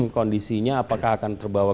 kondisinya apakah akan terbawa